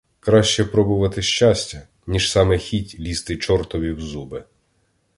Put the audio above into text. Краще пробувати щастя, ніж саме хіть лізти чортові в зуби.